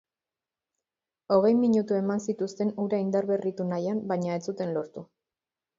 Hogei minutu eman zituzten hura indarberritu nahian baina ez zuten lortu.